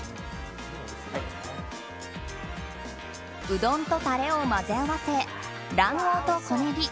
うどんとタレを混ぜ合わせ卵黄と小ネギ